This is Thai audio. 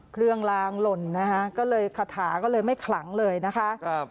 เครื่องลางหล่นนะคะก็เลยคาถาก็เลยไม่ขลังเลยนะคะครับ